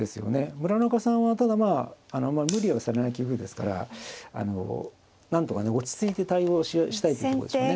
村中さんはただまあ無理はされない棋風ですからなんとか落ち着いて対応したいってとこでしょうね。